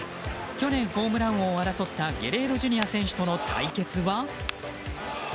去年、ホームラン王を争ったゲレーロＪｒ．選手との対決は。